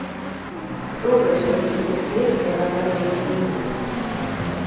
Добра, што вы гэты смех здагадаліся спыніць.